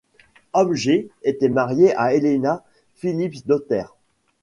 Holmger était marié à Helena Philipsdotter.